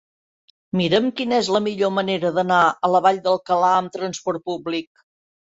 Mira'm quina és la millor manera d'anar a la Vall d'Alcalà amb transport públic.